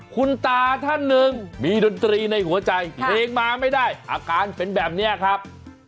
คุณตาท่านหนึ่งมีดนตรีในหัวใจเพลงมาไม่ได้อาการเป็นแบบนี้ครับ